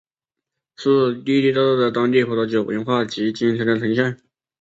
是地地道道的当地葡萄酒文化及精神的呈现。